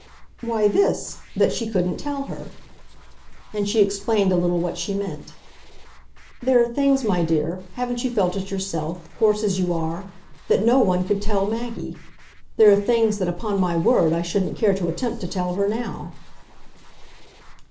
"Why, this that she couldn't tell her." And she explained a little what she meant. "There are things, my dear haven't you felt it yourself, coarse as you are? that no one could tell Maggie. There are things that, upon my word, I shouldn't care to attempt to tell her now."